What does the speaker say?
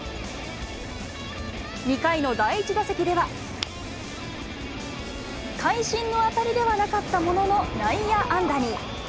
２回の第１打席では、会心の当たりではなかったものの、内野安打に。